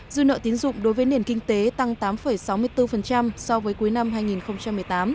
dư nợ tín dụng đối với nền kinh tế tăng tám sáu mươi bốn so với cuối năm hai nghìn một mươi tám